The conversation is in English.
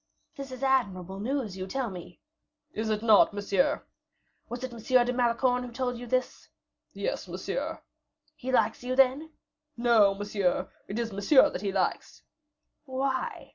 "This is admirable news you tell me." "Is it not, monsieur?" "Was it M. de Malicorne who told you this?" "Yes, monsieur." "He likes you, then?" "No, monsieur, it is Monsieur that he likes." "Why?"